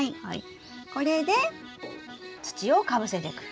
これで土をかぶせてく。